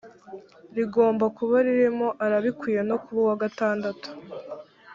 rigomba kuba ririmo arabikwiye no kuba uwa gatandatu